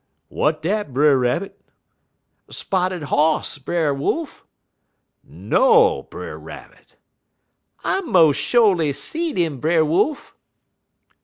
"'W'at dat, Brer Rabbit?' "'Spotted hoss, Brer Wolf.' "'No, Brer Rabbit!' "'I mos' sho'ly seed 'im, Brer Wolf.'